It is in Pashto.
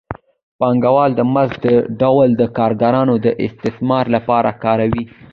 پانګوال د مزد دا ډول د کارګرانو د استثمار لپاره کاروي